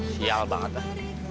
sial banget mas